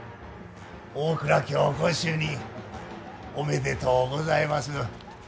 大蔵卿ご就任おめでとうございます。